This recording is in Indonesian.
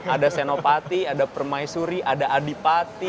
ada senopati ada permaisuri ada adipati